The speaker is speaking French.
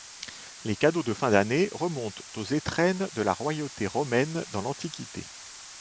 Les cadeaux de fin d'année remontent aux étrennes de la royauté romaine dans l'Antiquité.